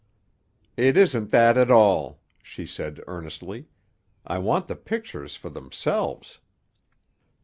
"It isn't that at all," she said earnestly. "I want the pictures for themselves."